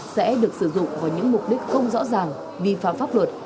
sẽ được sử dụng vào những mục đích không rõ ràng vi phạm pháp luật